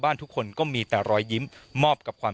หลังจากผู้ชมไปฟังเสียงแม่น้องชมไป